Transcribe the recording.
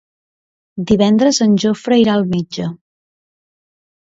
Divendres en Jofre irà al metge.